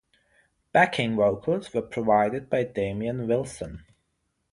Backing vocals were provided by Damian Wilson.